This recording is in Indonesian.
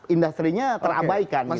industrinya terabaikan gitu loh